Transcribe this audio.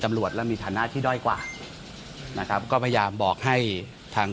ตำรวจและมีฐานะที่ด้อยกว่านะครับก็พยายามบอกให้ทาง